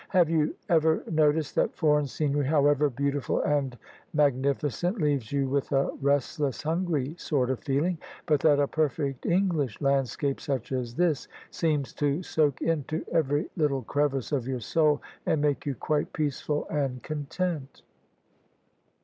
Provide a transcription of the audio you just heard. " Have you ever noticed that foreign scenery, however beautiful and magnificent, leaves you with a restless, hungry sort of feeling; but that a perfect English landscape such as this, seems to soak into every little crevice of your soul, and make you quite peaceful and content?"